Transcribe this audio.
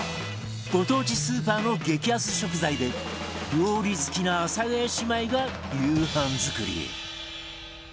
ご当地スーパーの激安食材で料理好きな阿佐ヶ谷姉妹が夕飯作り